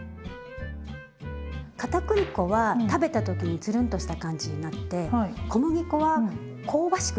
かたくり粉は食べた時につるんとした感じになって小麦粉は香ばしく焼き上がる。